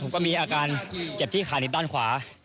ก็มีอาการเจ็บที่ขานิดด้านขวา